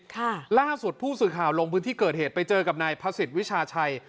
ล่าสุดผู้สื่อข่าวลงพื้นที่เกิดเหตุไปเจอกับนายพระศิษย์วิชาชัย